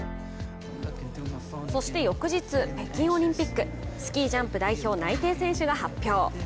そして翌日、北京オリンピック、スキージャンプ代表内定選手が発表。